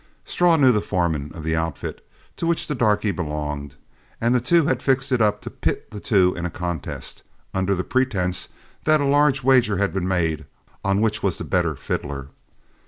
Straw knew the foreman of the outfit to which the darky belonged, and the two had fixed it up to pit the two in a contest, under the pretense that a large wager had been made on which was the better fiddler.